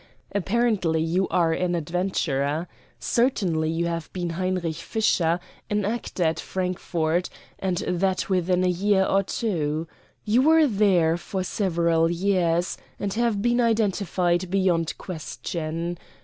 Apparently you are an adventurer. Certainly you have been Heinrich Fischer, an actor at Frankfort, and that within a year or two. You were there for several years, and have been identified beyond question.